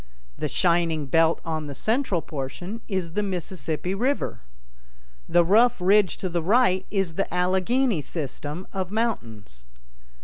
The shining belt on the central portion is the 'Mississippi River'. The rough ridge to the right is 'the Allegheny System' of mountains."